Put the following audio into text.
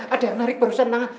ada yang lari barusan tangan